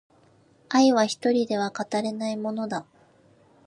愛は一人では語れないものだ